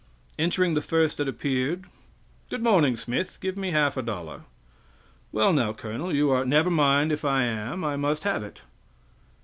Entering the first that appeared, "Good morning, Smith, give me half a dollar." "Well, now, colonel, you are " "Never mind if I am I must have it!"